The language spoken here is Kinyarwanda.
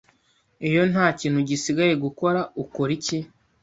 Iyo nta kintu gisigaye gukora, ukora iki?